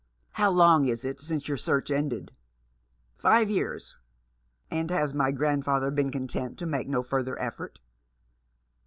" How long is it since your search ended ?"" Five years." " And has my grandfather been content to make no further effort